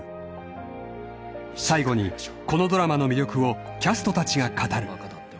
［最後にこのドラマの魅力をキャストたちが語る］